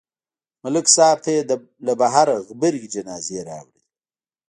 ملک صاحب ته یې له بهره غبرګې جنازې راوړلې